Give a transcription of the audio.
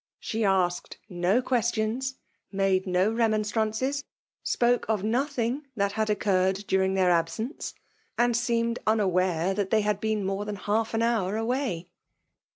She asked no questions, made no remonstrances ; spoke of nothing that had occurred during their absence, and seemed unaware that they had been more than an hour away.